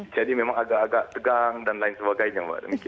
jadi memang agak agak tegang dan lain sebagainya